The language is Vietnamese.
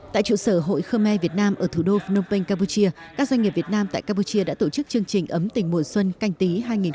tại trụ sở hội khơ me việt nam ở thủ đô phnom penh campuchia các doanh nghiệp việt nam tại campuchia đã tổ chức chương trình ấm tỉnh mùa xuân canh tí hai nghìn hai mươi